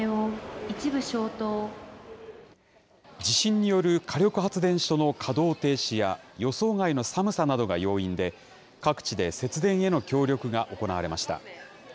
地震による火力発電所の稼働停止や、予想外の寒さなどが要因で、各地で節電への協力が行われました。